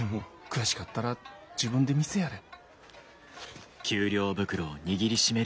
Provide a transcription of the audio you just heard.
悔しかったら自分で店やれ。